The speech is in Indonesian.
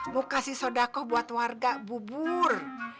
mau kasih sodako buat warga bubur